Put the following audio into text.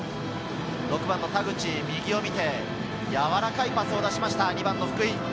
６番・田口、右を見て、やわらかいパスを出しました、２番・福井。